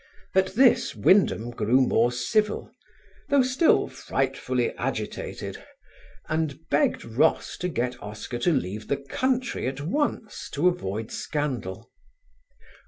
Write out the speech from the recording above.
At this Wyndham grew more civil, though still "frightfully agitated," and begged Ross to get Oscar to leave the country at once to avoid scandal.